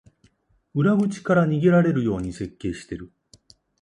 裏口から逃げられるように設計してる